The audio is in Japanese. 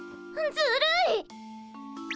ずるい？